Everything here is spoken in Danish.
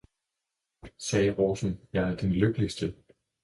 sagde rosen, jeg er den lykkeligste!